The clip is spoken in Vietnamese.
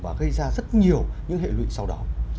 và gây ra rất nhiều những hệ lụy sau đó